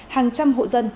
hàng trăm hộ dân